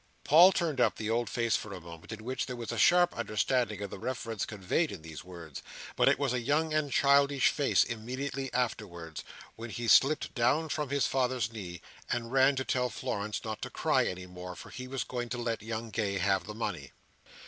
Paul turned up the old face for a moment, in which there was a sharp understanding of the reference conveyed in these words: but it was a young and childish face immediately afterwards, when he slipped down from his father's knee, and ran to tell Florence not to cry any more, for he was going to let young Gay have the money.